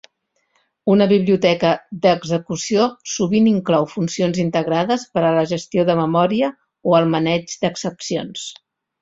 Una biblioteca d'execució sovint inclou funcions integrades per a la gestió de memòria o el maneig d'excepcions.